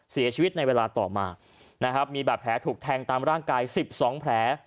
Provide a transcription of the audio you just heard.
เสียชีวิตในเวลาต่อมานะครับมีบาดแผลถูกแทงตามร่างกาย๑๒แผล